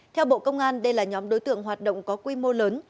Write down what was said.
theo bộ công an đây là nhóm đối tượng hoạt động có quy mô lớn